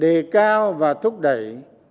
được đề cao và thúc đẩy